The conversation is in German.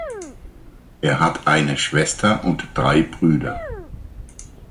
Er hat eine Schwester und drei Brüder.